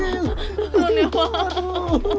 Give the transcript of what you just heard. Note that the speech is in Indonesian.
turun ya pak